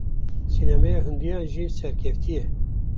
Sînemaya Hindiyan jî serkevtî ye.